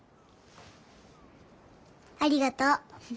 ありがとう。